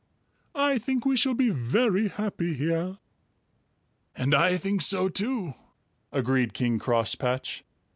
"I think we shall be very happy here." "And I think so too," agreed King Crosspatch.